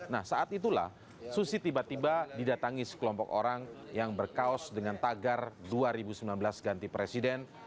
nah saat itulah susi tiba tiba didatangi sekelompok orang yang berkaos dengan tagar dua ribu sembilan belas ganti presiden